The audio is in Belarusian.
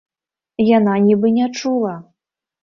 Яна нібы не чула.